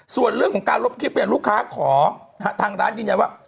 ส่วนเรื่องของการลบคลิปเนี่ยลูกค้าขอทางร้านจริงว่า